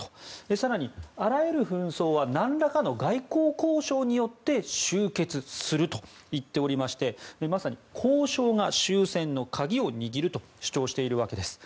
更にあらゆる紛争は何らかの外交交渉によって終結すると言っておりましてまさに交渉が終戦の鍵を握ると主張しているわけです。